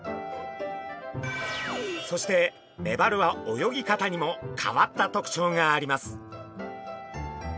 そしてメバルは泳ぎ方にも変わった特徴があります。